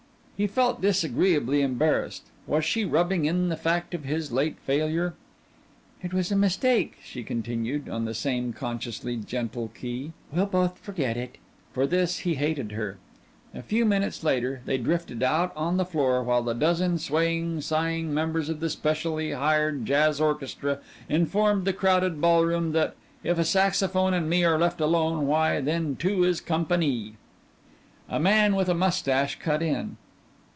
He felt disagreeably embarrassed. Was she rubbing in the fact of his late failure? "It was a mistake," she continued, on the same consciously gentle key. "We'll both forget it." For this he hated her. A few minutes later they drifted out on the floor while the dozen swaying, sighing members of the specially hired jazz orchestra informed the crowded ballroom that "if a saxophone and me are left alone why then two is com pan ee!" A man with a mustache cut in.